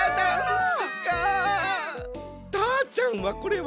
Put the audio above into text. たーちゃんはこれは？